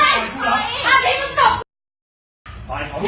ช่วยด้วยค่ะส่วนสุด